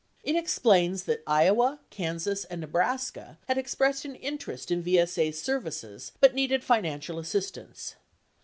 9 It explains that Iowa, Kansas, and Ne braska had expressed an interest in VSA's services but needed finan cial assistance.